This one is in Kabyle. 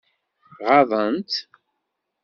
Ɣaḍent-tt?